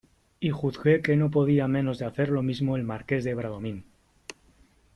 y juzgué que no podía menos de hacer lo mismo el Marqués de Bradomín .